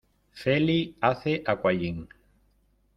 Feli hace aquagym.